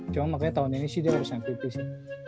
cuma makanya tahun ini sih dia harus mvp sih